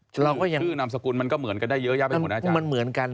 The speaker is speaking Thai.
เราก็ยังชื่อนามสกุลมันก็เหมือนกันได้เยอะแยะไปหมดอาจารย์มันเหมือนกัน